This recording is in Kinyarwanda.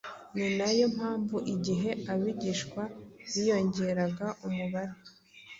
Ni nayo mpamvu igihe abigishwa biyongeraga umubare,